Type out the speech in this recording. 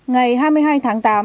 ngày hai mươi hai tháng tám